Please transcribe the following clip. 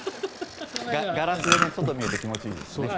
ガラスで外が見れて気持ちいいですね。